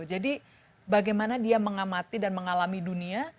jadi bagaimana dia mengamati dan mengalami dunia